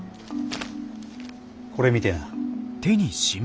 これ見てな。